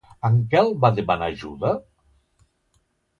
En Quel va demanar ajuda?